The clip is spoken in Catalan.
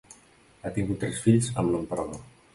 Ha tingut tres fills amb l'emperador.